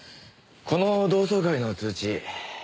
この同窓会の通知